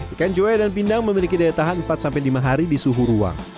ikan joe dan pindang memiliki daya tahan empat lima hari di suhu ruang